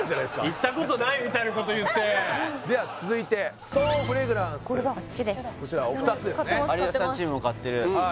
行ったことないみたいなこと言ってでは続いてストーンフレグランスこれだこちらお二つですね有吉さんチームも買ってるはい